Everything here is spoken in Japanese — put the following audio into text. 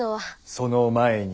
その前に。